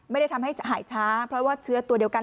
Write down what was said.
ไม่ได้ทำให้หายช้าเพราะว่าเชื้อตัวเดียวกัน